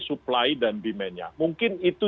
supply dan demand nya mungkin itu